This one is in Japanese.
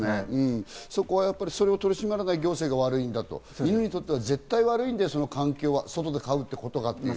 それを取り締まらない行政が悪いんだと、犬にとっては絶対悪いんです、外で飼うってことがという。